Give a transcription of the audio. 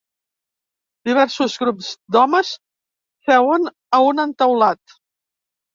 Diversos grups d'homes seuen a un entaulat.